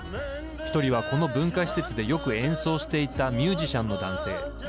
１人は、この文化施設でよく演奏していたミュージシャンの男性。